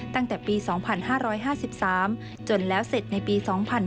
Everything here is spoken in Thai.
ตั้งแต่ปี๒๕๕๓จนแล้วเสร็จในปี๒๕๕๙